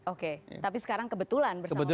oke tapi sekarang kebetulan bersama pak prabowo